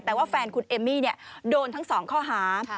แต่ว่าแฟนคุณเอมมี่โดนทั้งสองข้อหา